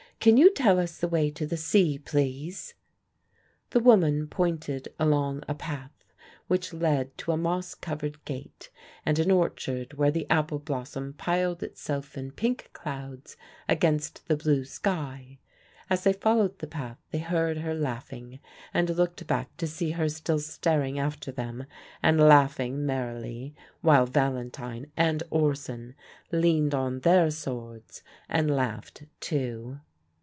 Can you tell us the way to the sea, please?" The woman pointed along a path which led to a moss covered gate and an orchard where the apple blossom piled itself in pink clouds against the blue sky: as they followed the path they heard her laughing, and looked back to see her still staring after them and laughing merrily, while Valentine and Orson leaned on their swords and laughed too.